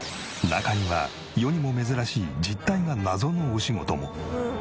中には世にも珍しい実態が謎のお仕事も。